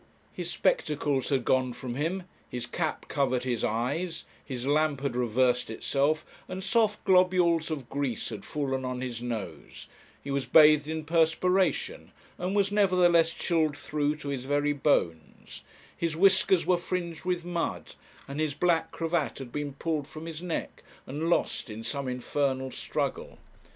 His spectacles had gone from him, his cap covered his eyes, his lamp had reversed itself, and soft globules of grease had fallen on his nose, he was bathed in perspiration, and was nevertheless chilled through to his very bones, his whiskers were fringed with mud, and his black cravat had been pulled from his neck and lost in some infernal struggle.